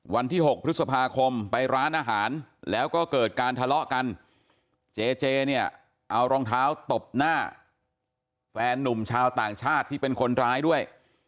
วันที่๖พฤษภาคมไปร้านอาหารแล้วก็เกิดการทะเลาะกันเจเจเนี่ยเอารองเท้าตบหน้าแฟนนุ่มชาวต่างชาติที่เป็นคนร้ายด้วย